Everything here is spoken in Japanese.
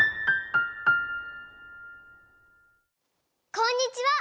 こんにちは！